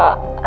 gak kuat ra